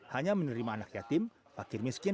hanya menerima anak yatim fakir miskin